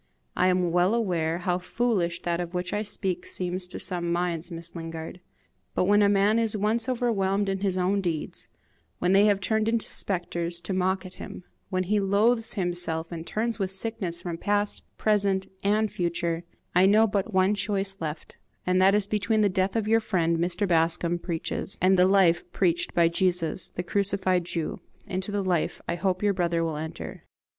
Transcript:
I am well aware how foolish that of which I speak seems to some minds, Miss Lingard; but when a man is once overwhelmed in his own deeds, when they have turned into spectres to mock at him, when he loathes himself and turns with sickness from past, present, and future, I know but one choice left, and that is between the death your friend Mr. Bascombe preaches, and the life preached by Jesus, the crucified Jew. Into the life I hope your brother will enter."